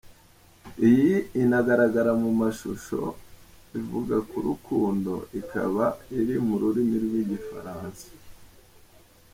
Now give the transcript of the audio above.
Iyi inagaragara mu mashusho ivuga ku rukundo, ikaba iri mu rurimi rw’Igifaransa.